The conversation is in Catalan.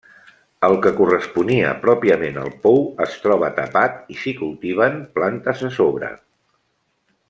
El que corresponia pròpiament al pou es troba tapat i s'hi cultiven plantes a sobre.